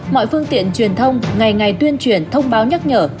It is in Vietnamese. mọi phương tiện truyền thông ngày ngày tuyên truyền thông báo nhắc nhở